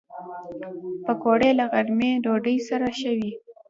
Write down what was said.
پکورې له غرمې ډوډۍ سره ښه وي